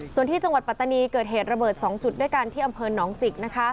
ส่วนที่จังหวัดปัตตานีเกิดเหตุระเบิด๒จุดด้วยกันที่อำเภอหนองจิก